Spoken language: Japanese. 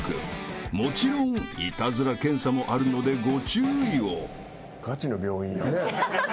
［もちろんイタズラ検査もあるのでご注意を］